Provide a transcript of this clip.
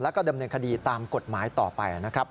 แล้วก็ดำเนินคดีตามกฎหมายต่อไปนะครับ